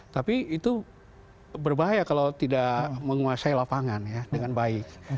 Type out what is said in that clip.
tapi itu berbahaya kalau tidak menguasai lapangan ya dengan baik